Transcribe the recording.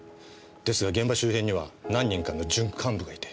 ですが現場周辺には何人かの準幹部がいて。